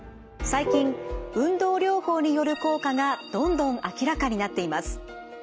最近運動療法による効果がどんどん明らかになっています。